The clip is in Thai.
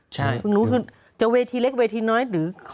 ใช่คุณรู้สันเกี่ยวกันเวทีแรกเวทีน้อยหรือ